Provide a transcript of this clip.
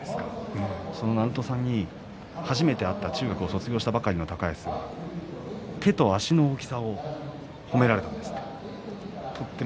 その鳴戸さんに初めて会った中学を卒業したころの高安手と足の大きさを褒められたんですって。